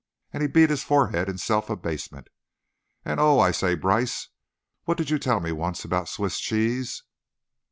and he beat his forehead in self abasement. "And, oh! I say, Brice, what did you tell me once about Swiss cheese?"